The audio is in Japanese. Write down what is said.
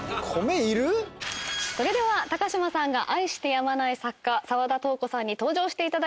それでは高島さんが愛してやまない作家澤田瞳子さんに登場していただきましょう。